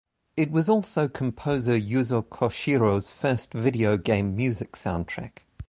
It was also composer Yuzo Koshiro's first video game music soundtrack.